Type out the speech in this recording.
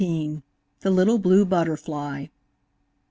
THE LITTLE BLUE BUTTERFLY.